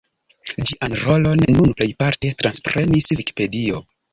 Ĝian rolon nun plejparte transprenis Vikipedio.